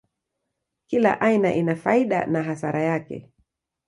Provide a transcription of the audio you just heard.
Kila aina ina faida na hasara yake.